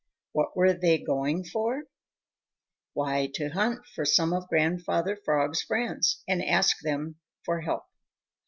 What were they going for? Why, to hunt for some of Grandfather Frog's friends and ask their help.